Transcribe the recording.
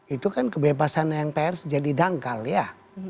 itu kan kebebasan yang pers jadi dangkal ya